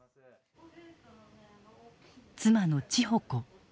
妻の千穂子。